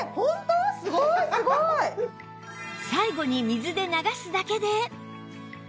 最後に水で流すだけで